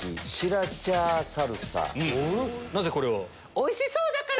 なぜこれを？